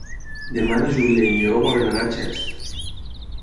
Demà na Júlia i en Lleó volen anar a Xest.